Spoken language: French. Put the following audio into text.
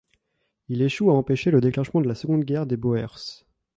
Il échoue à empêcher le déclenchement de la Seconde Guerre des Boers.